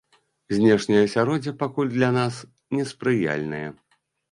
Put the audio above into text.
Знешняе асяроддзе пакуль для нас неспрыяльнае.